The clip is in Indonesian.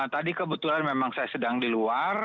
tadi kebetulan memang saya sedang di luar